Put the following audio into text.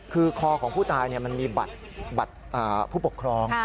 คือคอของผู้ตายมันมีบัตรผู้ปกครอง